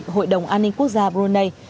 hội đồng an ninh quốc gia brunei